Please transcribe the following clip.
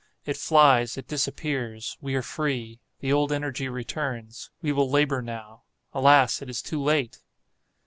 It flies—it disappears—we are free. The old energy returns. We will labor now. Alas, it is too late!